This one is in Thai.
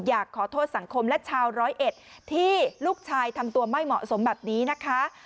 อยากขอโทษสังคมและชาวร้อยเอ็ดที่ลูกชายทำตัวไม่เหมาะสมแบบนี้นะคะ